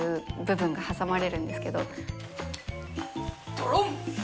ドロン！